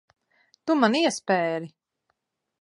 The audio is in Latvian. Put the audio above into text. Tu man iespēri.